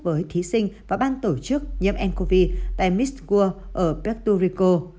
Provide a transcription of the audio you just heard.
với thí sinh và ban tổ chức nhiễm ncov tại miss world ở puerto rico